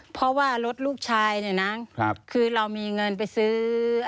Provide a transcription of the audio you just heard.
เพราะว่ารถลูกชายเนี่ยนะคือเรามีเงินไปซื้อ